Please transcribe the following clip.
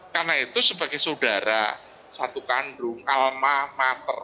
karena itu sebagai saudara satu kandung alma mater